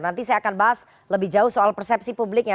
nanti saya akan bahas lebih jauh soal persepsi publiknya